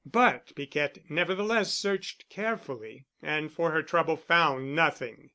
But Piquette nevertheless searched carefully and for her trouble, found nothing.